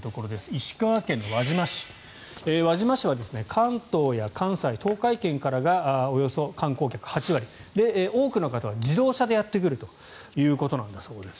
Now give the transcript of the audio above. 石川県輪島市、輪島市は関東や関西、東海圏からがおよそ観光客８割多くの方は自動車でやってくるということだそうです。